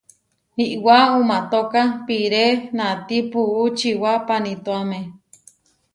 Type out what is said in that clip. Iʼwá uʼmátoka piré natí puú čiwá panituáme.